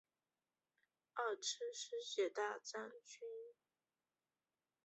二次世界大战时首次使用二氟一氯一溴甲烷作为飞机及坦克车的灭火剂。